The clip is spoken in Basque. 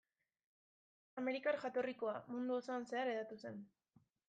Amerikar jatorrikoa, mundu osoan zehar hedatu zen.